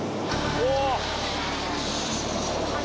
お！